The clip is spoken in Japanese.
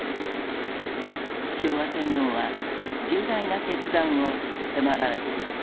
昭和天皇は重大な決断を迫られていく。